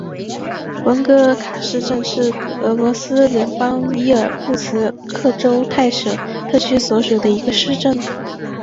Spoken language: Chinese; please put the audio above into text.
文格尔卡市镇是俄罗斯联邦伊尔库茨克州泰舍特区所属的一个市镇。